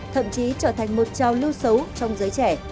thậm chí trở thành một trào lưu xấu trong giới trẻ